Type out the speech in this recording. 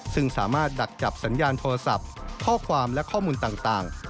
ซึ่งสามารถดักจับสัญญาณโทรศัพท์ข้อความและข้อมูลต่าง